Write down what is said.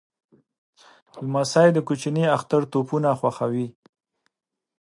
لمسی د کوچني اختر توپونه خوښوي.